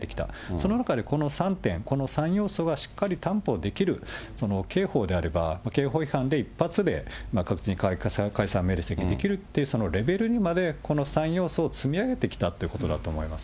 その中でこの３点、この３要素がしっかり担保できる、刑法であれば、刑法違反で一発で確実に解散命令請求できるというレベルにまでこの３要素を積み上げてきたってことだと思います。